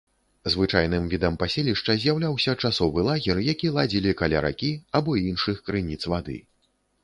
Звычайным відам паселішча з'яўляўся часовы лагер, які ладзілі каля ракі або іншых крыніц вады.